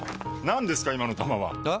何ですか今の球は！え？